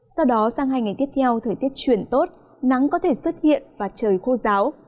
sau đó sang hai ngày tiếp theo thời tiết chuyển tốt nắng có thể xuất hiện và trời khô giáo